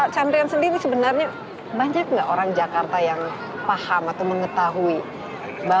candrian sendiri sebenarnya banyak nggak orang jakarta yang paham atau mengetahui bahwa begitu besar ya arti